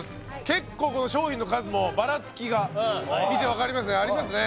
結構この商品の数もバラつきが見て分かりますねありますね